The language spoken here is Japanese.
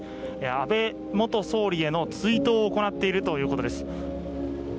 安倍元総理への追悼を行っているということです。